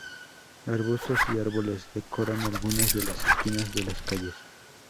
Arbustos y árboles decoran algunas de las esquinas de las calles.